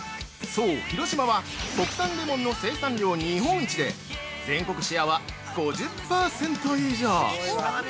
◆そう、広島は国産レモンの生産量日本一で全国シェアは５０％以上。